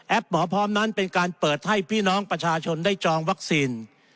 หมอพร้อมนั้นเป็นการเปิดให้พี่น้องประชาชนได้จองวัคซีน